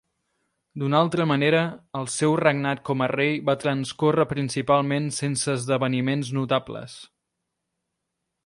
D'una altra manera, el seu regnat com a rei va transcórrer principalment sense esdeveniments notables.